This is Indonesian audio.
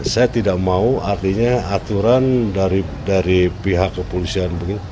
saya tidak mau artinya aturan dari pihak kepolisian